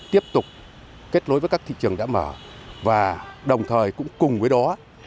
tiếp tục kết nối với các thị trường đã mở và đồng thời cũng cùng với đó